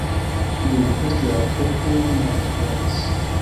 Iom poste la popolo malaperis.